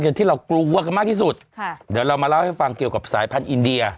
ที่เรากลัวกันมากที่สุดค่ะเดี๋ยวเรามาเล่าให้ฟังเกี่ยวกับสายพันธุ์อินเดีย